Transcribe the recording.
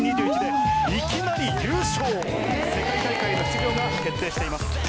世界大会の出場が決定しています。